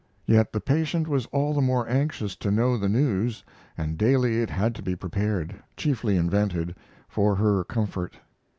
Yet the patient was all the more anxious to know the news, and daily it had to be prepared chiefly invented for her comfort.